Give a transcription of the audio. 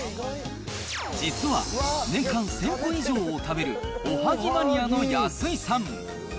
実は年間１０００個以上を食べるおはぎマニアの安井さん。